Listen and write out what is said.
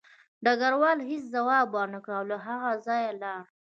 ډګروال هېڅ ځواب ورنکړ او له هغه ځایه لاړ